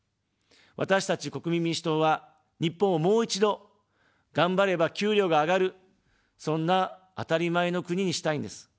私たち国民民主党は、日本を、もう一度、がんばれば給料が上がる、そんな当たり前の国にしたいんです。